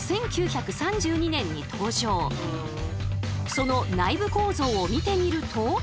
その内部構造を見てみると。